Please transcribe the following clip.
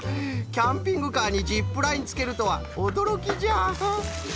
キャンピングカーにジップラインつけるとはおどろきじゃ。